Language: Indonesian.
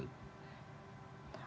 jelas sekali pesan politiknya itu